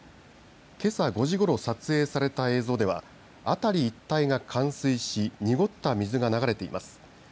けさ５時ごろ撮影された映像では辺り一帯が冠水し濁った水が流れています。